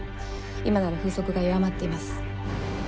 今なら風速が弱まっています。